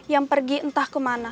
yang pergi entah kemana